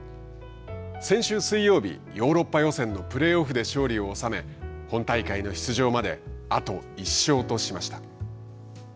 先週水曜日、ヨーロッパ予選のプレーオフで勝利をおさめ本大会の出場まであと１勝としました。